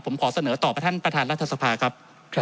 ผมขอเสนอต่อประธานรัฐสภาครับ